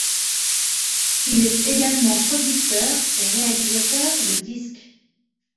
Il est également producteur et réalisateur de disques.